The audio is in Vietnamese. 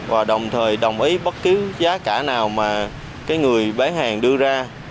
và đồng thời đồng ý bất cứ giá cả nào mà cái người bán hàng đưa ra